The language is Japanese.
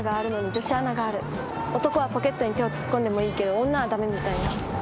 男はポケットに手を突っ込んでもいいけど女は駄目みたいな。